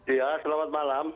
iya selamat malam